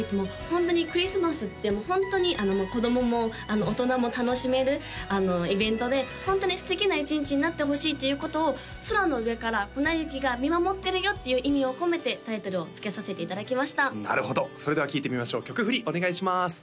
クリスマスってホントに子供も大人も楽しめるイベントでホントに素敵な一日になってほしいということを空の上から粉雪が見守ってるよっていう意味をこめてタイトルをつけさせていただきましたなるほどそれでは聴いてみましょう曲振りお願いします